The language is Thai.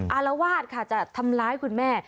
อารวาสค่ะจะทำร้ายคุณแม่